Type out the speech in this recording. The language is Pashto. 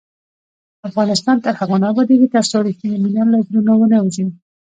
افغانستان تر هغو نه ابادیږي، ترڅو رښتینې مینه له زړونو ونه وځي.